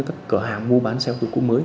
các cửa hàng mua bán xe ô tô mới